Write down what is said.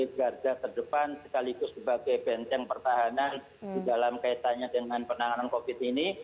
jadi berharga terdepan sekaligus sebagai benteng pertahanan dalam kaitannya dengan penanganan covid ini